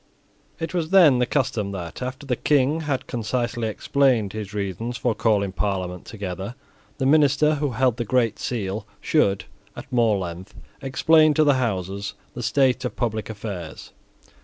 It was then the custom that, after the King had concisely explained his reasons for calling Parliament together, the minister who held the Great Seal should, at more length, explain to the Houses the state of public affairs.